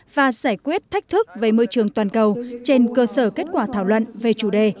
và giải quyết thách thức về môi trường toàn cầu trên cơ sở kết quả thảo luận về chủ đề